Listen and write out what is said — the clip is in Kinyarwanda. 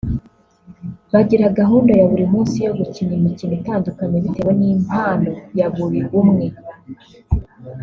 bagira gahunda ya buri munsi yo gukina imikino itandukanye bitewe n’impano ya buri umwe